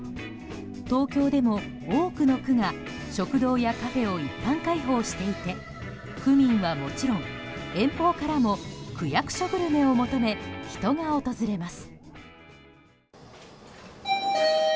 東京でも多くの区が食堂やカフェを一般開放していて区民はもちろん遠方からも区役所グルメを求め人が訪れます。